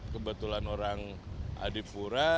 kebetulan orang adipura